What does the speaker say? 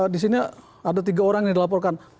di sini ada tiga orang yang dilaporkan